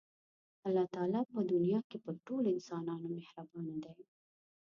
الله تعالی په دنیا کې په ټولو انسانانو مهربانه دی.